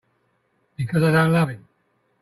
Because I don't love him.